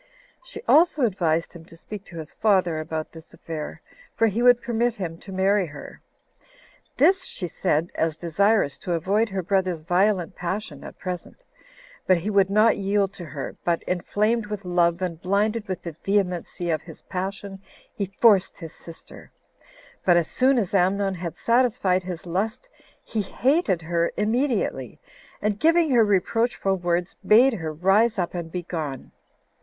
She also advised him to speak to his father about this affair; for he would permit him [to marry her]. This she said, as desirous to avoid her brother's violent passion at present. But he would not yield to her; but, inflamed with love and blinded with the vehemency of his passion, he forced his sister: but as soon as Amnon had satisfied his lust, he hated her immediately, and giving her reproachful words, bade her rise up and be gone.